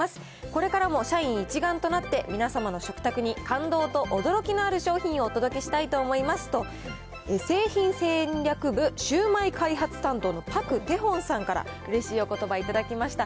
これからも社員一丸となって、皆様の食卓に感動と驚きのある商品をお届けしたいと思いますと、製品戦略部シュウマイ開発担当のパク・テホンさんからうれしいおことば頂きました。